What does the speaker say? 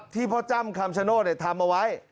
พ่อจ้ำคำชโนธทำเอาไว้